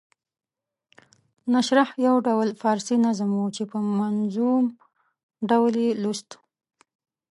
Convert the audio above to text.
نشرح یو ډول فارسي نظم وو چې په منظوم ډول یې لوست.